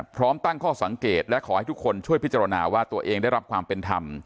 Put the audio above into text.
พร้อมตั้งข้อสังเกตและขอให้ทุกคนช่วยพิจารณาว่าตัวเองได้รับความเป็นธรรม